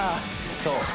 そう